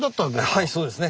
はいそうですね。